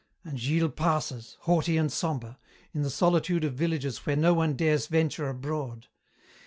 "And Gilles passes, haughty and sombre, in the solitude of villages where no one dares venture abroad.